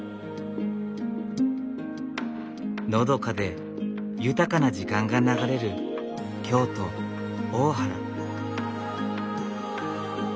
のどかで豊かな時間が流れる京都・大原。